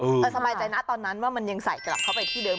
ก็คือปัญหาตอนนั้นว่ามันยังใส่กลับเข้าไปที่เดิม